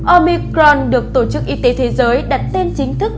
omicron được tổ chức y tế thế giới đặt tên chính thức